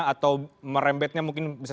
atau merembetnya mungkin bisa